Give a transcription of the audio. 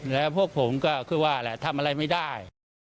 แล้วพวกผมก็คือว่าแหละทำอะไรไม่ได้